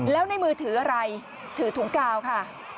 แล้วในมือถืออะไรถือถุงกาวค่ะ